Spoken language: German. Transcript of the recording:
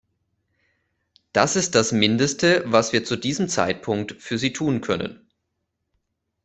Das ist das Mindeste, was wir zu diesem Zeitpunkt für sie tun können.